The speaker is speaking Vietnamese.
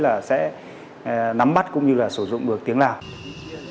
là sẽ nắm bắt cũng như là sử dụng được tiếng lào